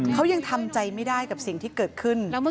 เขายังทำใจไม่ได้กับสิ่งที่เกิดขึ้น